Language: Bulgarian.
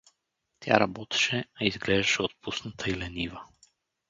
Тя работеше, а изглеждаше отпусната и ленива.